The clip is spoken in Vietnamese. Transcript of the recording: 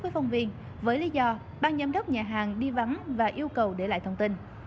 phía nhà hàng tiếp xúc với phong viên với lý do ban nhâm đốc nhà hàng đi vắng và yêu cầu để lại thông tin